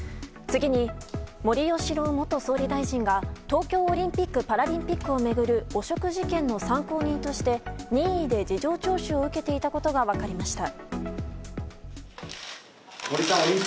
次に、森喜朗元総理大臣が東京オリンピック・パラリンピックを巡る汚職事件の参考人として任意で事情聴取を受けていたことが分かりました。